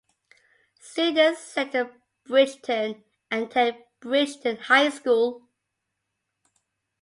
Students sent to Bridgeton attend Bridgeton High School.